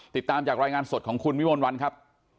ติดตามจากรายงานสดของคุณวิมวลวันครับ